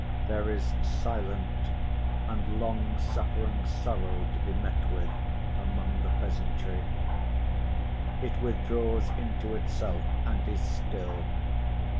There is silent and long‐suffering sorrow to be met with among the peasantry. It withdraws into itself and is still.